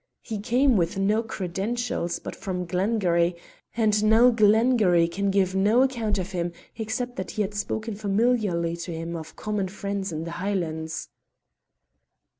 He came with no credentials but from Glengarry, and now Glengarry can give no account of him except that he had spoken familiarly to him of common friends in the Highlands."